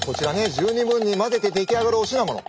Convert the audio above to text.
十二分にまぜて出来上がるお品物。